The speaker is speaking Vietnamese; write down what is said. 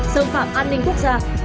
xâm phạm an ninh quốc gia